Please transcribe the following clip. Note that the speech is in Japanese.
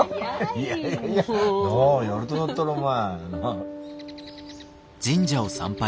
いやいやいややるとなったらお前。